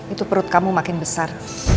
itu perut kamu makin besar